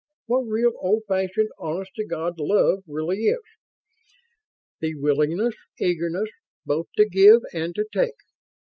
what real, old fashioned, honest to God love really is? The willingness eagerness both to give and to take?